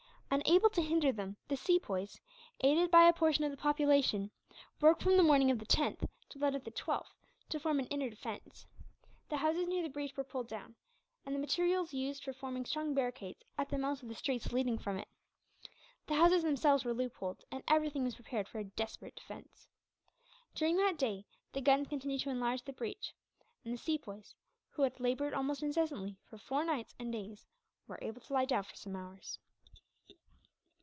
Unable to hinder them the Sepoys, aided by a portion of the population, worked from the morning of the 10th until that of the 12th to form an inner defence. The houses near the breach were pulled down, and the materials used for forming strong barricades at the mouths of the streets leading from it. The houses themselves were loopholed, and everything was prepared for a desperate defence. During that day the guns continued to enlarge the breach; and the Sepoys, who had laboured almost incessantly for four nights and days, were able to lie down for some hours.